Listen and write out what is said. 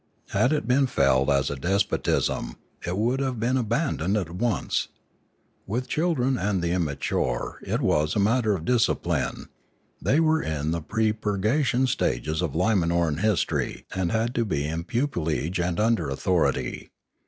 Had it been felt as a despotism, it would have been abandoned at once. With children and the immature it was a matter of discipline; they were in the pre purgation stages of Limanoran history, and had to be in pupillage and under authority.